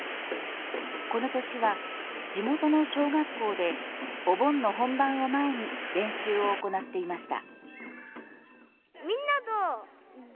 この年は、地元の小学校でお盆の本番を前に練習を行っていました。